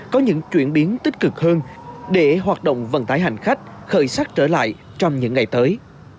có những chuyển biến tích cực hơn để hoạt động vận tải hành khách khởi sắc trở lại trong những ngày tới